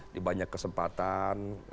di banyak kesempatan